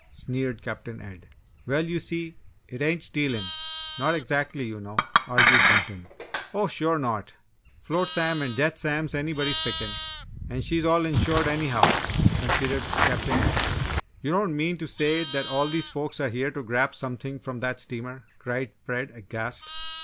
sneered Captain Ed. "Well, you see, it ain't stealin' not exactly, you know!" argued Benton. "Oh sure not! Flotsam and jetsam's anybuddy's pickin's, and she's all ensured anyhow," conceded Captain Ed. "You don't mean to say that all these folks are here to grab something from that steamer?" cried Fred, aghast.